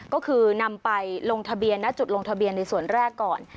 ก็คือนำไปลงทะเบียนณจุดลงทะเบียนในส่วนแรกก่อน